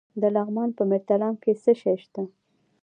د لغمان په مهترلام کې څه شی شته؟